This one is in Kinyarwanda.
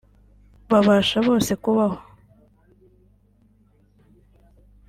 babasha bose kubaho